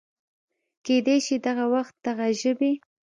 کېدی شي چې دغه وخت دغه ژبې